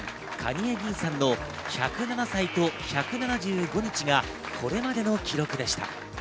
蟹江ぎんさんの１０７歳と１７５日がこれまでの記録でした。